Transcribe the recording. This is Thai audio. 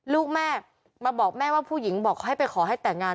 ลูกแม่มาบอกแม่ว่าผู้หญิงบอกให้ไปขอให้แต่งงาน